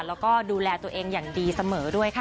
แล้วก็ดูแลตัวเองอย่างดีเสมอด้วยค่ะ